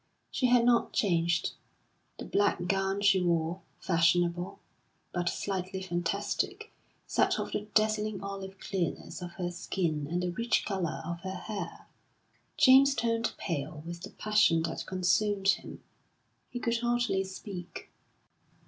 She had not changed. The black gown she wore, fashionable, but slightly fantastic, set off the dazzling olive clearness of her skin and the rich colour of her hair. James turned pale with the passion that consumed him; he could hardly speak.